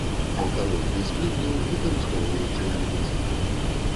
Алкалоіды з клубняў выкарыстоўваюцца ў медыцыне.